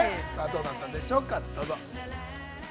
どうなったんでしょうか、どうぞ。